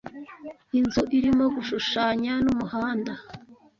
Inzu irimo gushushanya numuhanga.